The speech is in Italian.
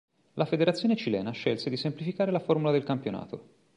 La Federazione cilena scelse di semplificare la formula del campionato.